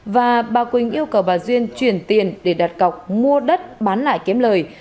và bà quỳnh yêu cầu bà duyên chuyển tiền để đặt cọc mua đất bán lại kiếm lời